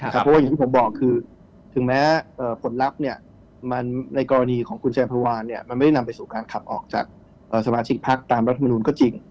เพราะว่าอย่างที่ผมบอกคือถึงแม้ผลลัพธ์ในกรณีของคุณชายพวานมันไม่ได้นำไปสู่การขับออกจากสมาชิกพักตามรัฐมนุนก็จริง